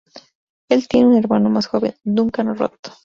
Él tiene un hermano más joven, Duncan Roth.